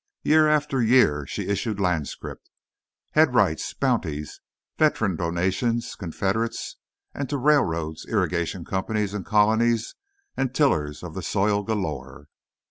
Year after year she issued land scrip—Headrights, Bounties, Veteran Donations, Confederates; and to railroads, irrigation companies, colonies, and tillers of the soil galore.